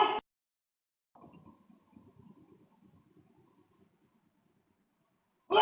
นอบ